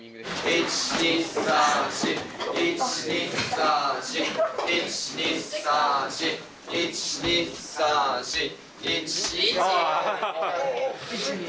１２３４１２３４１２３４１２３４１。